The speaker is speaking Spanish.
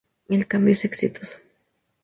El cambio es exitoso.